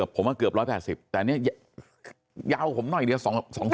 ผมว่าเกือบ๑๘๐เท่านี้ยาวผมหน่อยเดี๋ยว๒เส้น